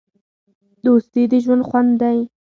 دوستي د ژوند خوند دی.